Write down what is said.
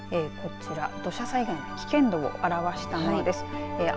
こちら土砂災害の危険度を表したものです。